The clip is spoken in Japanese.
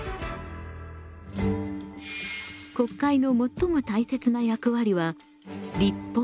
国会の最も大切な役割は立法